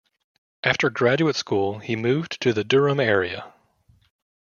After graduate school he moved to the Durham area.